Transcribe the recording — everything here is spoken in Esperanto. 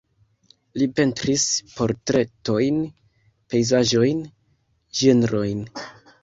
Li pentris portretojn, pejzaĝojn, ĝenrojn.